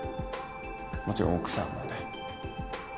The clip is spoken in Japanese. もちろん奥さんもね。